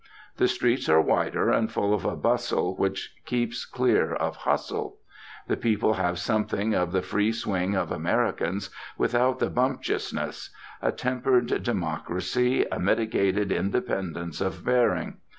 The streets are wider, and full of a bustle which keeps clear of hustle. The people have something of the free swing of Americans, without the bumptiousness; a tempered democracy, a mitigated independence of bearing.